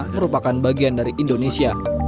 merupakan bagian dari indonesia